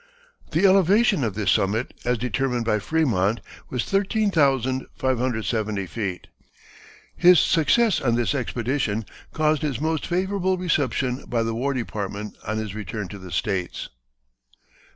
The elevation of this summit, as determined by Frémont, was 13,570 feet. His success on this expedition caused his most favorable reception by the War Department on his return to the States.